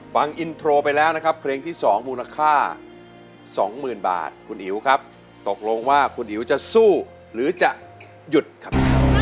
ฟังอินโทรไปแล้วนะครับเพลงที่๒มูลค่า๒๐๐๐บาทคุณอิ๋วครับตกลงว่าคุณอิ๋วจะสู้หรือจะหยุดครับ